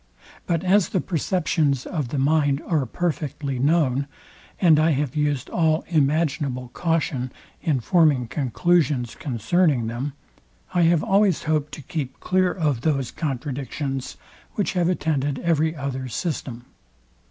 But as the perceptions of the mind are perfectly known, and I have used all imaginable caution in forming conclusions concerning them, I have always hoped to keep clear of those contradictions, which have attended every other system.